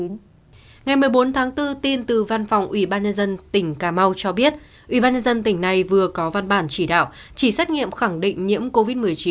ngày một mươi bốn tháng bốn tin từ văn phòng ủy ban nhân dân tp hcm cho biết ủy ban nhân dân tp hcm vừa có văn bản chỉ đạo chỉ xét nghiệm khẳng định nhiễm covid một mươi chín